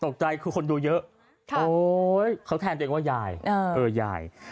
เขาแทนตัวเองว่ายายเออยาย